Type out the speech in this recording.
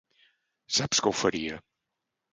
Saps que ho faria.